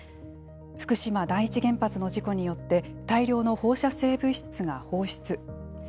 福島第一原発の事故によって、大量の放射性物質が放出。